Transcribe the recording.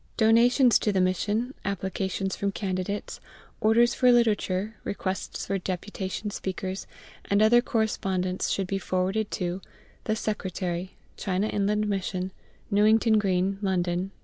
Donations to the Mission, applications from candidates, orders for literature, requests for deputation speakers, and other correspondence should be forwarded to The Secretary, China Inland Mission, Newington Green, London, N.